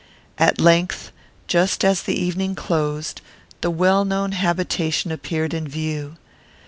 At length, just as the evening closed, the well known habitation appeared in view.